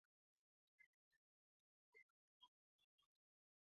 Kantatzen duen pertsonari kantari, abeslari edo bokalista izena ematen zaio.